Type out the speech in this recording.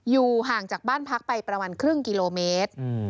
อยู่ห่างจากบ้านพักไปประมาณครึ่งกิโลเมตร